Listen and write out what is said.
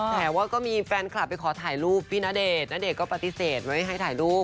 แต่ว่าก็มีแฟนคลับไปขอถ่ายรูปพี่ณเดชนณเดชนก็ปฏิเสธไว้ให้ถ่ายรูป